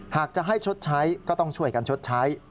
หากจะให้ชดใช้ก็ต้องช่วยกันชดใช้